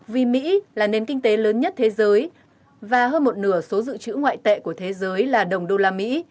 vì mỹ là nền kinh tế lớn nhất thế giới và hơn một nửa số dự trữ ngoại tệ của thế giới là đồng đô la mỹ